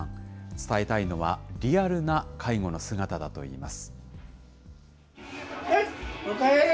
伝えたいのはリアルな介護の姿だといいます。